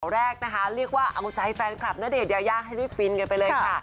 แรกนะคะเรียกว่าเอาใจแฟนคลับณเดชนยายาให้รีบฟินกันไปเลยค่ะ